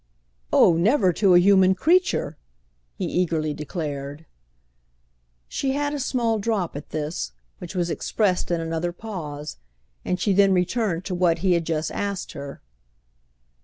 "Oh never to a human creature!" he eagerly declared. She had a small drop at this, which was expressed in another pause, and she then returned to what he had just asked her.